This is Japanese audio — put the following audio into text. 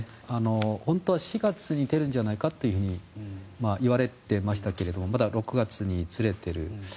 本当は４月に出るんじゃないかと言われていましたがまだ６月にずれている。